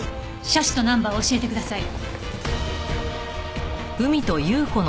車種とナンバー教えてください。